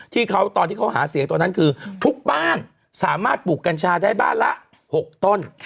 ที่เขาตอนที่เขาหาเสียงตอนนั้นคือทุกบ้านสามารถปลูกกัญชาได้บ้านละ๖ต้น